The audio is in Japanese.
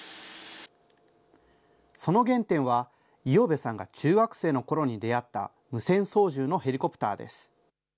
その原点は、五百部さんが中学生のころに出会った無線操縦のヘリコプターです。